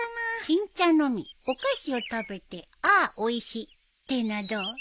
「新茶飲みお菓子を食べてあぁおいし」ってのはどう？